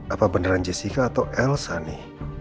apa beneran jessica atau elsa nih